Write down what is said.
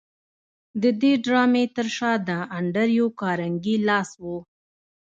د دې ډرامې تر شا د انډریو کارنګي لاس و